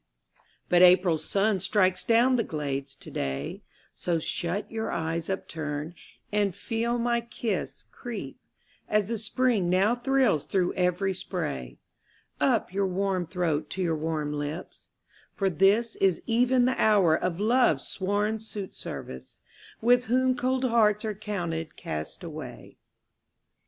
But April's sun strikes down the glades to day; So shut your eyes upturned, and feel my kiss Creep, as the Spring now thrills through every spray, Up your warm throat to your warm lips: for this Is even the hour of Love's sworn suitservice, With whom cold hearts are counted castaway.